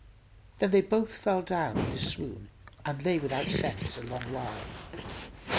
Then they both fell down in a swoon and lay without sense a long while.